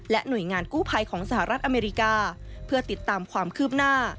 หน่วยงานกู้ภัยของสหรัฐอเมริกาเพื่อติดตามความคืบหน้า